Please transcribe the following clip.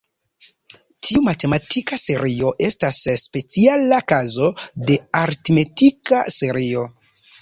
Tiu matematika serio estas speciala kazo de "aritmetika serio".